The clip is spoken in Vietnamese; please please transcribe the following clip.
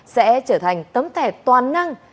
sẽ trở thành tấm thẻ toàn năng